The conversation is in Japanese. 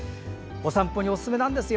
お散歩におすすめなんですよ。